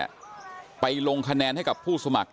ไปลงคะแนนให้กับผู้สมัคร